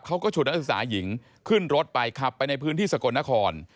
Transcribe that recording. เขาก็ฉุดนักศึกษาหญิงขึ้นรถไปขับไปในพื้นที่สกลนคร